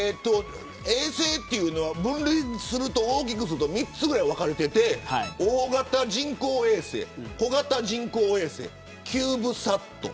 衛星というのは分類すると大きく３つぐらいに分かれていて大型人工衛星、小型人工衛星キューブサット。